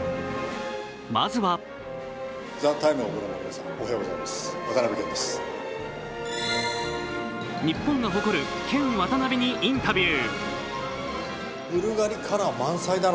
まずは日本が誇るケン・ワタナベにインタビュー。